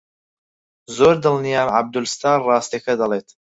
زۆر دڵنیام عەبدولستار ڕاستییەکە دەڵێت.